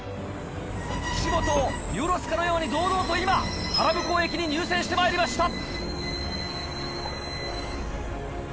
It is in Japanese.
岸本を見下ろすかのように堂々と今原向駅に入線してまいりました。